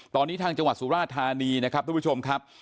ตอนนี้ทางจังหวัดสุราธานีนะครับทุกผู้ชมครับ